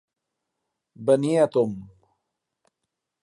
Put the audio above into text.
Venir a tomb.